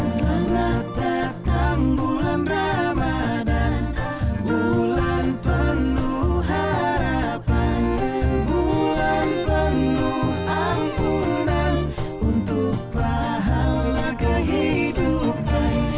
selamat datang bulan ramadhan bulan penuh harapan bulan penuh ampunan untuk pahala kehidupan